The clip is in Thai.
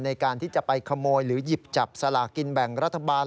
ในการที่จะไปขโมยหรือหยิบจับสลากกินแบ่งรัฐบาล